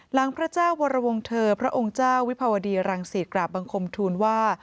พระเจ้าวรวงเธอพระองค์เจ้าวิภาวดีรังสิตกราบบังคมทูลว่า